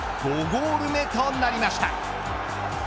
５ゴール目となりました。